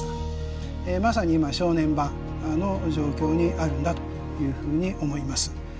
ええまさに今正念場の状況にあるんだというふうに思います。